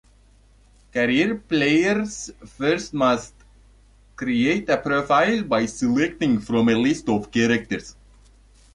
Career- Players first must create a profile by selecting from a list of characters.